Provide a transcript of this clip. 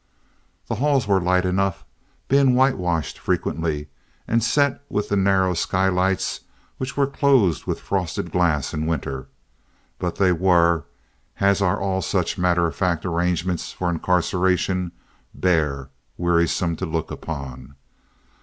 The halls were light enough, being whitewashed frequently and set with the narrow skylights, which were closed with frosted glass in winter; but they were, as are all such matter of fact arrangements for incarceration, bare—wearisome to look upon.